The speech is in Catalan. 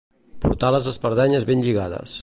Portar les espardenyes ben lligades.